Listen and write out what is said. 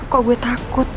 kok gue takut